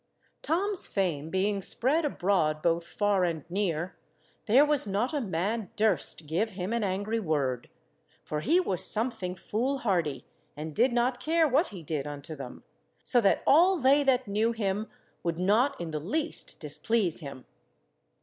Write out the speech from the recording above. Tom's fame being spread abroad both far and near, there was not a man durst give him an angry word, for he was something fool–hardy, and did not care what he did unto them, so that all they that knew him would not in the least displease him.